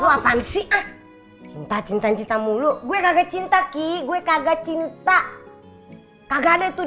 luapan si cinta cinta mulu gue kagak cinta ki gue kagak cinta kagak ada itu